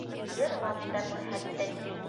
— Йырлап та күрһәттек.